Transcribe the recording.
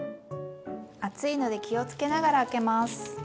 熱いので気をつけながら開けます。